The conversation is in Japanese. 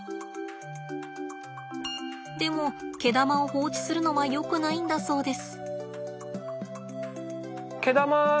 でも毛玉を放置するのはよくないんだそうです。